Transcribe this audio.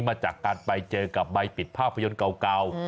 มาจากการไปเจอกับใบปิดภาพยนตร์เก่า